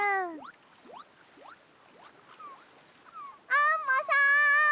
アンモさん！